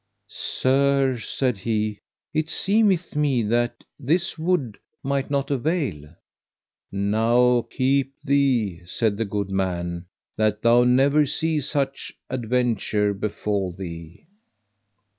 Sir, said he, it seemeth me that this wood might not avail. Now keep thee, said the good man, that thou never see such adventure befall thee.